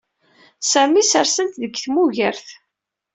Sami ssersen-t deg tmugert.